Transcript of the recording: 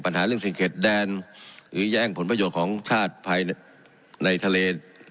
ปัญหาเรื่องสี่เขตแดนหรือแย่งผลประโยชน์ของชาติภายในทะเล